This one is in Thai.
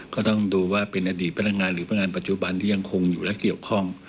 ก็ต้องดูว่าเป็นอดีตพนักงานหรือพนักงานปัจจุบันที่ยังคงอยู่และเกี่ยวข้อง